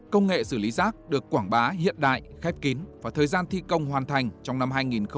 công nghệ xử lý rác được quảng bá hiện đại khép kín và thời gian thi công hoàn thành trong năm hai nghìn hai mươi